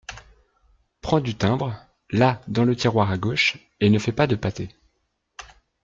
Prends du timbre, là dans le tiroir à gauche, et ne fais pas de pâtés.